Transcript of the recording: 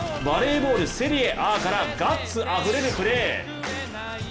バレーボール・セリエＡからガッツあふれるプレー。